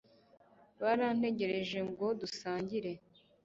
barantegereje ngo dusangire